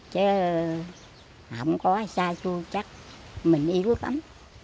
chứ không có ai sai xua chắc mình yếu tấm